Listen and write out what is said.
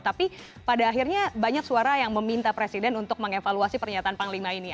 tapi pada akhirnya banyak suara yang meminta presiden untuk mengevaluasi pernyataan panglima ini